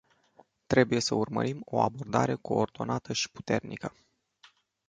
Trebuie să urmărim o abordare coordonată și puternică.